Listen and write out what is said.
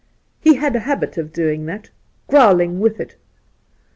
He had a habit of doing that, growling with it.